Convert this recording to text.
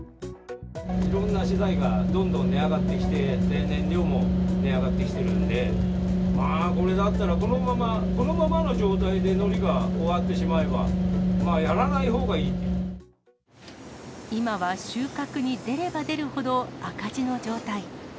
いろんな資材がどんどん値上がってきて、燃料も値上がってきてるので、まあ、これだったらこのまま、このままの状態でのりが終わってしまえば、今は収穫に出れば出るほど赤字の状態。